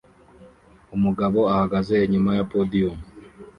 Umugabo ahagaze inyuma ya podiyumu